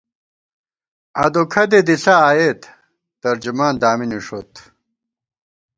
ادوکھدے دِݪہ آئیېت ، ترجمان دامی نِݭوت